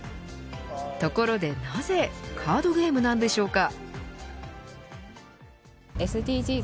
ところでなぜカードゲームなんでしょうか。